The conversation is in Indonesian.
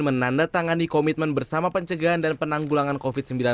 menandatangani komitmen bersama pencegahan dan penanggulangan covid sembilan belas